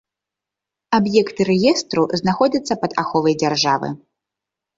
Аб'екты рэестру знаходзяцца пад аховай дзяржавы.